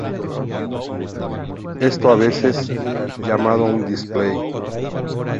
Esto a veces llamado un "display".